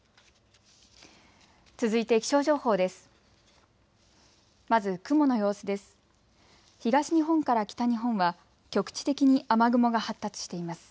続いて気象情報です。